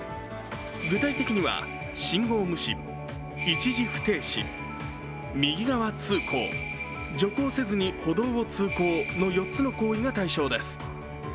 具体的には信号無視、一時不停止、右側通行、徐行せずに歩道を通行の４つの行為が対象です。